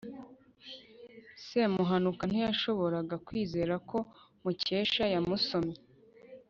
semuhanuka ntiyashoboraga kwizera ko mukesha yamusomye